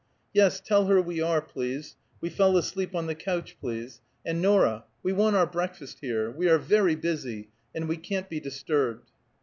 "Yes, tell her we are, please; we fell asleep on the couch, please; and, Norah! we want our breakfast here. We are very busy, and we can't be disturbed."